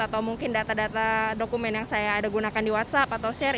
atau mungkin data data dokumen yang saya ada gunakan di whatsapp atau share